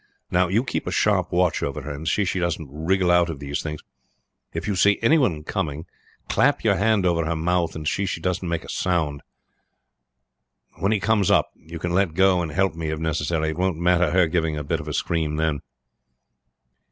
Now you keep a sharp watch over her, and see she doesn't wriggle out of these things. If you see any one coming clap your hand over her mouth, and see she doesn't make a sound. When he comes up you can let go and help me if necessary; it won't matter her giving a bit of a scream then."